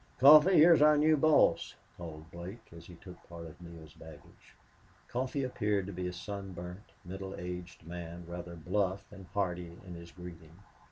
"Coffee, here's our new boss," called Blake as he took part of Neale's baggage. Coffee appeared to be a sunburnt, middle aged man, rather bluff and hearty in his greeting.